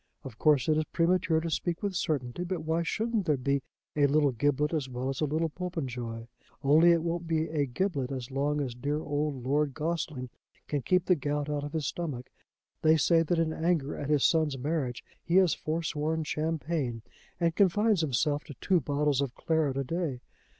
Of course it is premature to speak with certainty; but why shouldn't there be a little Giblet as well as a little Popenjoy? Only it won't be a Giblet as long as dear old Lord Gossling can keep the gout out of his stomach. They say that in anger at his son's marriage he has forsworn champagne and confines himself to two bottles of claret a day.